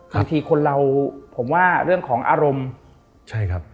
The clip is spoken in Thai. บางทีคนเราผมว่าเรื่องของอารมณ์